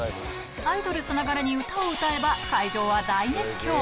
アイドルさながらに歌を歌えば、会場は大熱狂。